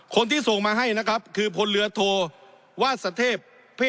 คนที่ส่งมาให้นะครับคือพลเรือโทวาสเทพ